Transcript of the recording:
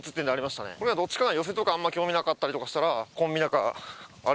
どっちかが寄席とかあんま興味なかったりとかしたらコンビ仲あれ？